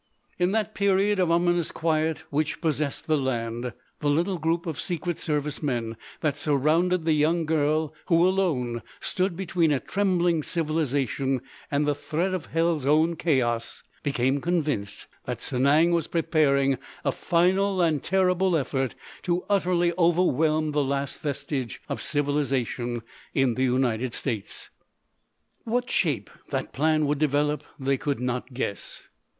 In that period of ominous quiet which possessed the land, the little group of Secret Service men that surrounded the young girl who alone stood between a trembling civilisation and the threat of hell's own chaos, became convinced that Sanang was preparing a final and terrible effort to utterly overwhelm the last vestige of civilisation in the United States. What shape that plan would develop they could not guess.